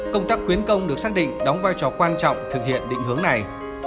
công tác quyến công được xác định đóng vai trò quan trọng thực hiện định hướng này